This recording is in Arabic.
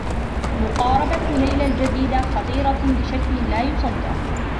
مقاربة ليلى الجديدة خطيرة بشكل لا يُصدّق.